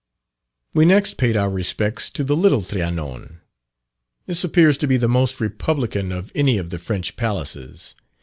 We next paid our respects to the Little Trianon. This appears to be the most Republican of any of the French palaces.